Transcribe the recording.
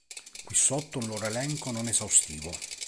Qui sotto un loro elenco non esaustivo.